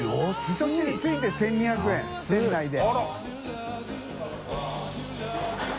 澆十付いて１２００円店内で。